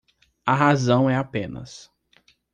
A razão é apenas